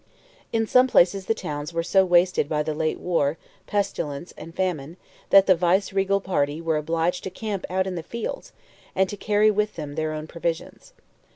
In some places the towns were so wasted by the late war, pestilence, and famine, that the Viceregal party were obliged to camp out in the fields, and to carry with them their own provisions.